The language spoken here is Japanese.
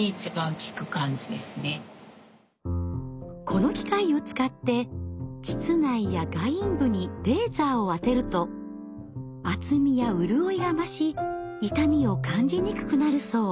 この機械を使って膣内や外陰部にレーザーを当てると厚みやうるおいが増し痛みを感じにくくなるそう。